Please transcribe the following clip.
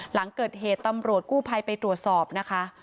หลังเกิดเหตุตำรวจกู้ภัยไปตรวจสอบนะคะ